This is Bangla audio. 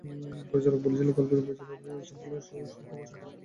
পরিচালক বলেছিলেন গল্পের প্রয়োজনে আমাকে সুইমিংপুলে স্বল্পবসনা হয়ে কাজটি করতে হবে।